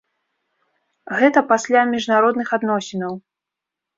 Гэта пасля міжнародных адносінаў!